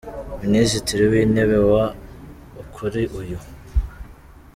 Minisitiri w’Intebe wa, kuri uyu.